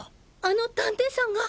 あの探偵さんが？